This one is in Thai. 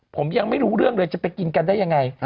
ผมยังไม่รู้เรื่องเลยจะไปกินกันได้ยังไง